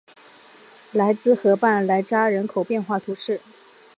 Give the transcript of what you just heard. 莱兹河畔莱扎人口变化图示